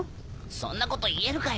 そんなこと言えるかよ